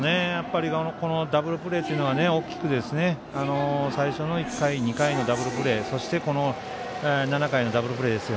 ダブルプレーというのは大きく、最初の１回、２回のダブルプレーそして、７回のダブルプレー。